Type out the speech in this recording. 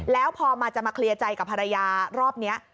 แล้วพอมาจะมาเคลียร์ใจกับภรรยารอบนี้